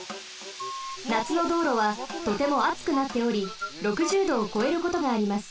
なつのどうろはとてもあつくなっており６０℃をこえることがあります。